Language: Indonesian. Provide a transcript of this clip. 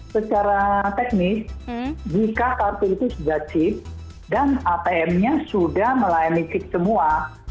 secara teknis jika kartu itu sudah chip dan atm nya sudah melayani chip semua